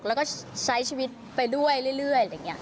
แล้วก็ใช้ชีวิตไปด้วยเรื่อยอะไรอย่างนี้